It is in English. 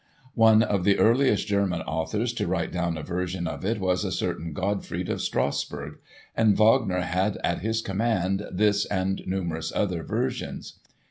One of the earliest German authors to write down a version of it was a certain Godfried of Strasburg; and Wagner had at his command this and numerous other versions.